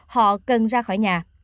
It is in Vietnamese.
họ cần ra khỏi nhà